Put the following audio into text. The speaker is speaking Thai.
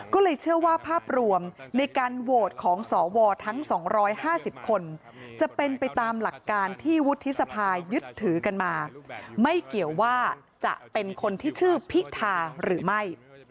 ก็เลยเชื่อว่าภาพรวมในการโหวตของสวทั้ง๒๕๐คนจะเป็นไปตามหลักการที่วุฒิสภายึดถือกันมาไม่เกี่ยวว่าจะเป็นคนที่ชื่อพิธาหรือไม่